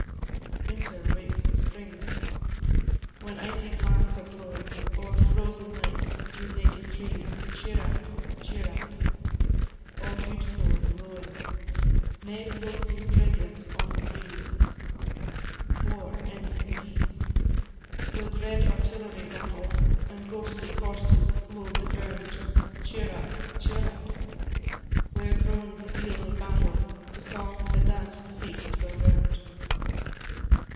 Winter wakes spring: When icy blasts are blowing O'er frozen lakes, through naked trees, Cheer up, cheer up; All beautiful and glowing, May floats in fragrance on the breeze. War ends in peace: Though dread artillery rattle, And ghostly corses load the ground, Cheer up, cheer up; Where groan'd the field of battle, The song, the dance, the feast, go round.